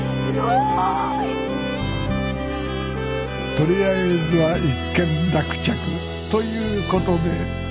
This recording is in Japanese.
とりあえずは一件落着ということでよかったな